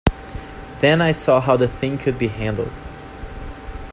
Then I saw how the thing could be handled.